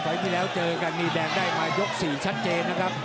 ที่แล้วเจอกันนี่แดงได้มายก๔ชัดเจนนะครับ